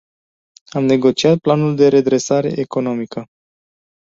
Am negociat planul de redresare economică.